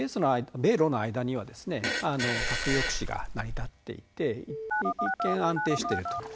核抑止が成り立っていて一見安定していると。